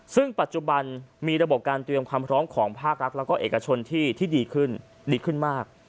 ซึ่งปัจจุบันมีระบบการเตรียมความพร้อมของภาครัฐแล้วก็เอกชนที่ดีขึ้นดีขึ้นมาก